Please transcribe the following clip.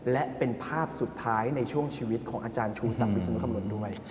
และเป็นภาพสุดท้ายในช่วงชีวิตของอาจารย์ชูศักดิสุมคำนวณด้วย